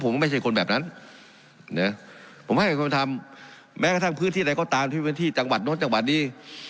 ผมให้คนทำแม้กระทั่งพื้นที่ใดก็ตามที่เป็นที่จังหวัดโน้นจังหวัดนี้